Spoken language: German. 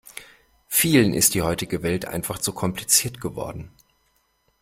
Vielen ist die heutige Welt einfach zu kompliziert geworden.